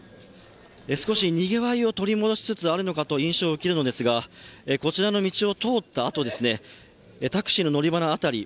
少しにぎわいを取り戻しつつある印象もあるのですが、こちらの道を通ったあとタクシーの乗り場の辺り